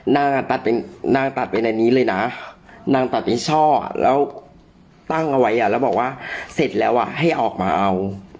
นางตัดเป็นนางตัดไว้ในนี้เลยนะนางตัดในช่อแล้วตั้งเอาไว้อ่ะแล้วบอกว่าเสร็จแล้วอ่ะให้ออกมาเอา